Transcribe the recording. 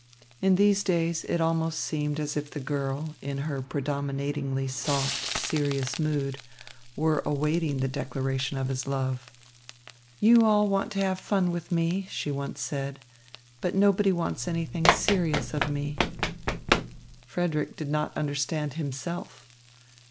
In these days it almost seemed as if the girl in her predominatingly soft, serious mood were awaiting the declaration of his love. "You all want to have fun with me," she once said, "but nobody wants anything serious of me." Frederick did not understand himself.